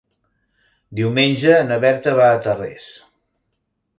Diumenge na Berta va a Tarrés.